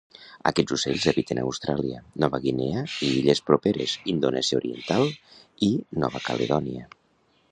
Aquests ocells habiten Austràlia, Nova Guinea i illes properes, Indonèsia Oriental i Nova Caledònia.